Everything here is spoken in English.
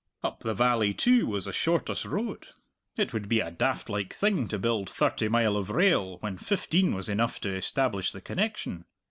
Up the valley, too, was the shortest road; it would be a daft like thing to build thirty mile of rail, when fifteen was enough to establish the connection!